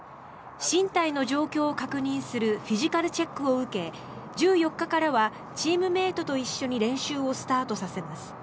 身体の状況を確認するフィジカルチェックを受け１４日からはチームメートと一緒に練習をスタートさせます。